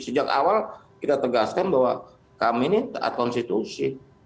sejak awal kita tegaskan bahwa kami ini taat konstitusi